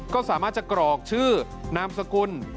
โทษภาพชาวนี้ก็จะได้ราคาใหม่